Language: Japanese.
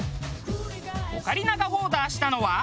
オカリナがオーダーしたのは。